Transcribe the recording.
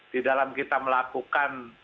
di dalam kita melakukan